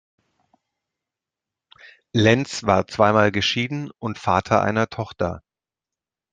Lenz war zweimal geschieden und Vater einer Tochter.